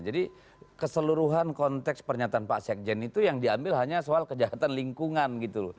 jadi keseluruhan konteks pernyataan pak sekjen itu yang diambil hanya soal kejahatan lingkungan gitu loh